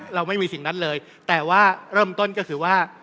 เราไม่มีสิ่งนั้นเลยแต่ว่าเริ่มต้นก็คือว่า